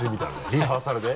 リハーサルで？